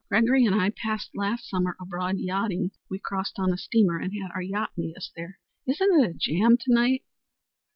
"Gregory and I passed last summer abroad yachting. We crossed on a steamer and had our yacht meet us there. Isn't it a jam to night?"